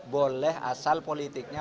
boleh asal politiknya